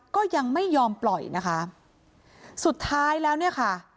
ก็ยังไม่ยอมปล่อยนะคะสุดท้ายแล้วเนี่ยค่ะ